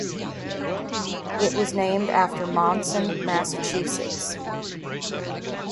It was named after Monson, Massachusetts.